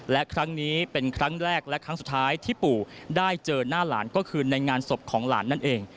และครั้งนี้เป็นครั้งแรกและครั้งสุดท้ายที่ปู่ได้เจอหน้าหลานก็คือในงานศพของหลานนั่นเอง